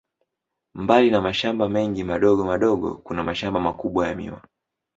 Mbali ya mashamba mengi madogo madogo, kuna mashamba makubwa ya miwa.